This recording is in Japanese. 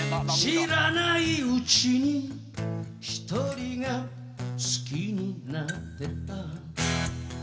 「知らないうちに一人が好きになってた」